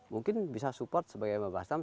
mungkin bisa support sebagai mbak bastam